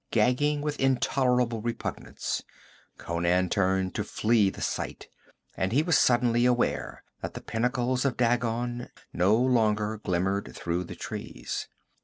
Gagging with intolerable repugnance, Conan turned to flee the sight; and he was suddenly aware that the pinnacles of Dagon no longer glimmered through the trees.